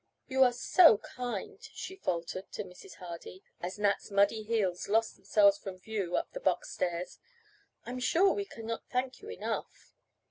"You are so kind," she faltered to Mrs. Hardy, as Nat's muddy heels lost themselves from view up the box stairs. "I'm sure we cannot thank you enough."